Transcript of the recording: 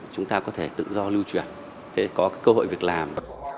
chúng ta có thể tự do lưu truyền có cơ hội việc làm